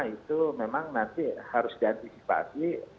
itu memang nanti harus diantisipasi